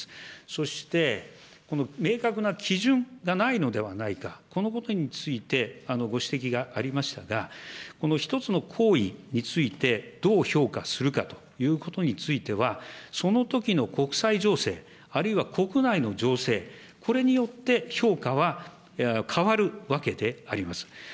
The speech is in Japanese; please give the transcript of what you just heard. そして明確な基準がないのではないか、このことについてご指摘がありましたが、一つの行為について、どう評価するかということについては、そのときの国際情勢、あるいは国内の情勢、これによって評価は変わるわけであります。